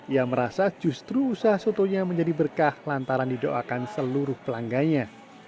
ia merasa justru usaha sotonya menjadi berkah lantaran didoakan seluruh pelanggannya